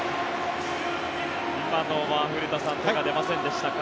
今のは古田さん手が出ませんでしたか。